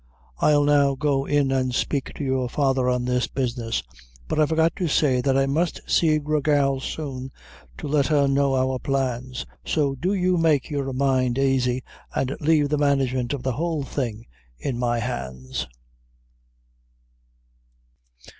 I'll now go in an' spake to your father on this business; but I forgot to say that I must see Gra Gal soon, to let her know our plans; so do you make your mind aisy, and lave the management of the whole thing in my hands."